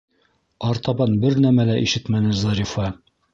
Артабан бер нәмә лә ишетмәне Зарифа.